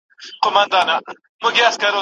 څوک وايي نر دی څوک وايي ښځه